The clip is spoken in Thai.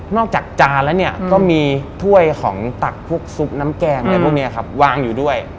จากจานแล้วเนี่ยก็มีถ้วยของตักพวกซุปน้ำแกงอะไรพวกนี้ครับวางอยู่ด้วย